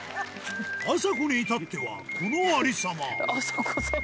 あさこに至ってはこのありさまあさこさん。